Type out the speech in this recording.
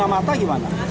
kalau kena mata gimana